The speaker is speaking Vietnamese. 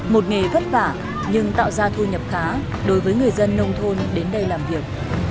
một nghề vất vả nhưng tạo ra thu nhập khá đối với người dân nông thôn đến đây làm việc